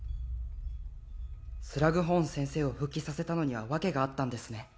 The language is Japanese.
スラグホーン先生を復帰させたのには訳があったんですね